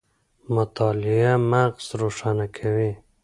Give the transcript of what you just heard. مطالعه مغز روښانه کوي